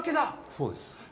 そうです。